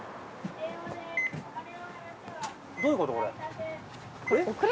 どういうことこれ。